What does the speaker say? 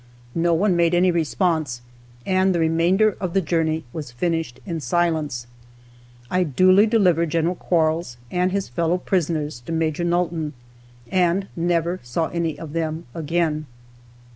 No one made any response, and the remainder of the journey was finished in silence. I duly delivered Gen. Quarles and his fellow prisoners to Maj. Nulton, and never saw any of them again.